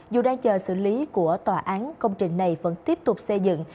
dù đang chờ xử lý của tòa án công trình này vẫn tiếp tục xây dựng